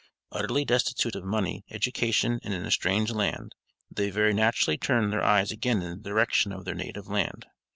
Utterly destitute of money, education, and in a strange land, they very naturally turned their eyes again in the direction of their native land.